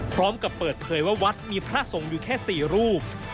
พร้อมกับเปิดเผยว่าวัดมีพระสงฆ์อยู่แค่๔รูป